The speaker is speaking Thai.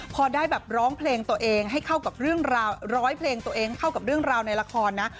พอได้แบบร้องเพลงตัวเองให้เข้ากับเรื่องราวร้อยเพลงตัวเองเข้ากับเรื่องราวในละครนะ